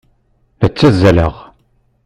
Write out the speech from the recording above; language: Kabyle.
La ttazzaleɣ.